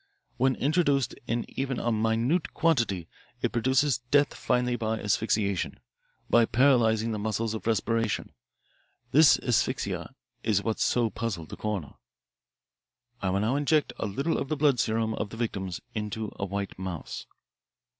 When introduced in even a minute quantity it produces death finally by asphyxiation by paralysing the muscles of respiration. This asphyxia is what so puzzled the coroner. "I will now inject a little of the blood serum of the victims into a white mouse."